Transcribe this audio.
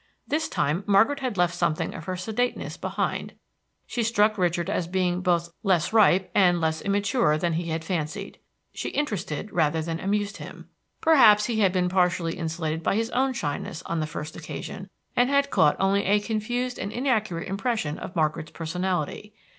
This time Margaret had left something of her sedateness behind; she struck Richard as being both less ripe and less immature than he had fancied; she interested rather than amused him. Perhaps he had been partially insulated by his own shyness on the first occasion, and had caught only a confused and inaccurate impression of Margaret's personality.